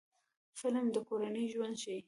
فلم د کورنۍ ژوند ښيي